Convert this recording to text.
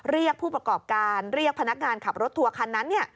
เรียกผู้ประกอบการเรียกพนักงานขับรถทัวร์คันนั้น